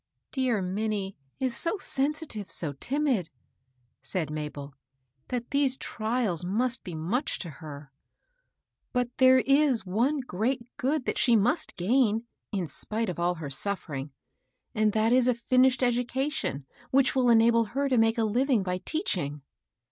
" Dear Minnie is so sensitive, so timid," said Mabel, " that these trials must be much to her. But there is one great good that she must gain, in spite of all her suffering, and that is a finished education which will enable her tb make a living by teaching."